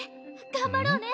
頑張ろうね。